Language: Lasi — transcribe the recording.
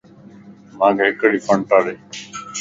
مانک ھڪڙي ڦنٽا ڏي